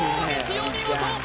お見事！